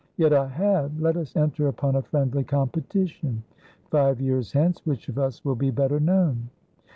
Yet I have. Let us enter upon a friendly competition. Five years hence, which of us will be better known?"